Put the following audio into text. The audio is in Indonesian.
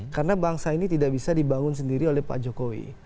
karena bangsa ini tidak bisa dibangun sendiri oleh pak jokowi